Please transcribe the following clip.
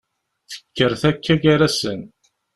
Tekker takka gar-asen.